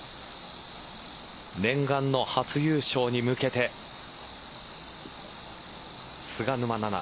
念願の初優勝に向けて菅沼菜々